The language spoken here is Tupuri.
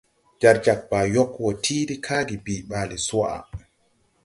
Jar jag Baa yog wo ti de kage bii ɓaale swaʼa.